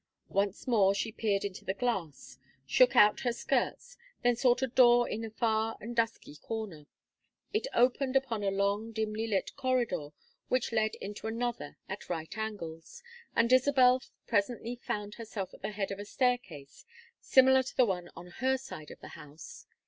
Once more she peered into the glass, shook out her skirts, then sought a door in a far and dusky corner. It opened upon a long dimly lit corridor which led into another at right angles, and Isabel presently found herself at the head of a staircase similar to the one on her side of the house.